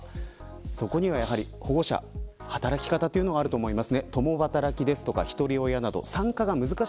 そこには保護者の働き方というのがあると思います。